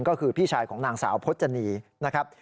ก็คือพี่ชายของนางสาวพจนีนะครับ